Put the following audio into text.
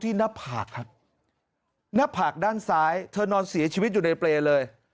หน้าผากครับหน้าผากด้านซ้ายเธอนอนเสียชีวิตอยู่ในเปรย์เลย